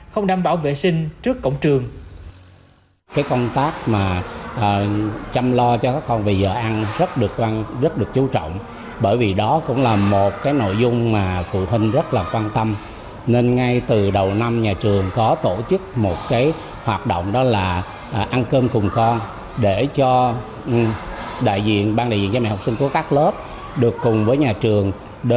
không đảm bảo vệ sinh trước cổng trường